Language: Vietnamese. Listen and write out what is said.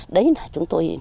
đấy là chúng tôi